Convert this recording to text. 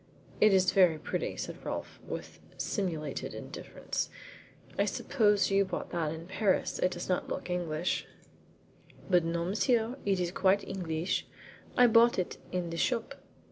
"It is very pretty," said Rolfe, with simulated indifference. "I suppose you bought that in Paris. It does not look English,'' "But no, monsieur, it is quite Engleesh. I bought it in the shop."